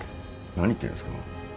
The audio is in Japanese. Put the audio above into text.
何言ってんですか。